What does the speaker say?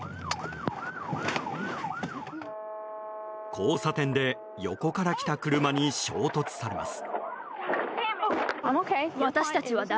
交差点で横から来た車に衝突されます。